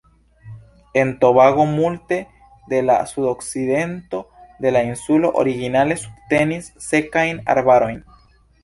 En Tobago multe de la sudokcidento de la insulo originale subtenis sekajn arbarojn.